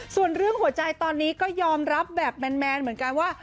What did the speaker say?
ส่วนเรื่องหัวใจตอนนี้ก็ยอมรับแบบแมนเหมือนกันว่า